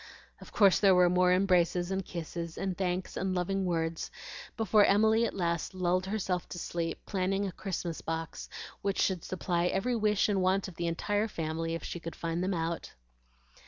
Of course there were more embraces and kisses, and thanks and loving words, before Emily at last lulled herself to sleep planning a Christmas box, which should supply every wish and want of the entire family if she could find them out.